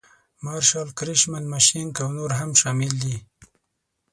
مارشال کرشمن مشینک او نور هم شامل دي.